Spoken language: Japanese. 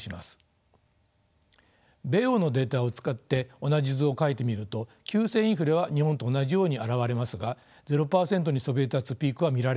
米欧のデータを使って同じ図を描いてみると急性インフレは日本と同じように表れますがゼロ％にそびえ立つピークは見られません。